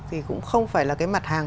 thì cũng không phải là cái mặt hàng